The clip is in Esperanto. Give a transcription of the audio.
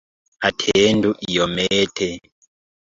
Atendu iomete.